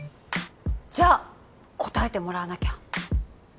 じゃあ答えてもらわなきゃ！